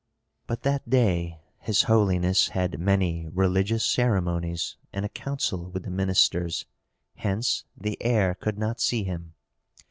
But that day his holiness had many religious ceremonies and a counsel with the ministers, hence the heir could not see him.